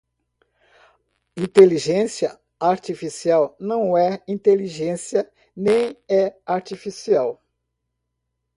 Inteligência Artificial não é inteligência nem é artificial.